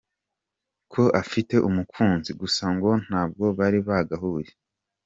com ko afite umukunzi, gusa ngo ntabwo bari bagahuye.